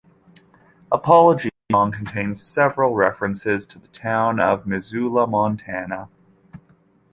"Apology Song" contains several references to the town of Missoula, Montana.